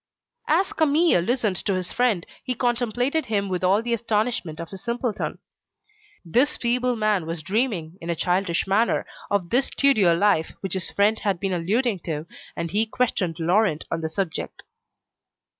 As Camille listened to his friend, he contemplated him with all the astonishment of a simpleton. This feeble man was dreaming, in a childish manner, of this studio life which his friend had been alluding to, and he questioned Laurent on the subject.